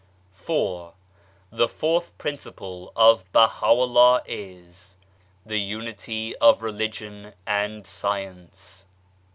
IV. The fourth principle of Baha'u'llah is : The Unity of Religion and Science.